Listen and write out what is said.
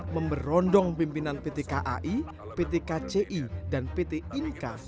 memberondong pimpinan pt kai pt kci dan pt inka